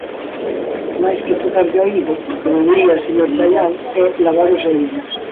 Máis que tocar de oído, o que debería, señor Chaián, é lavar os oídos.